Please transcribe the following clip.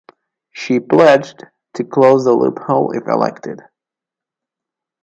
She pledged to close the loophole if elected.